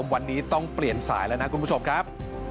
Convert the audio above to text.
วันนี้ต้องเปลี่ยนสายแล้วนะคุณผู้ชมครับ